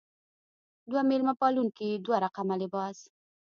دوه مېلمه پالونکې دوه رقمه لباس.